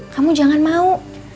kamu jangan mau